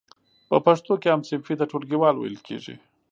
په پښتو کې هم صنفي ته ټولګیوال ویل کیږی.